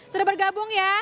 sudah bergabung ya